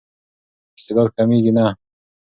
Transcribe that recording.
استعداد کمېږي نه.